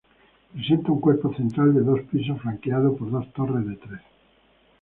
Presenta un cuerpo central de dos pisos, flanqueado por dos torres de tres.